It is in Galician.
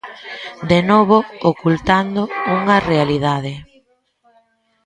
De novo, ocultando unha realidade.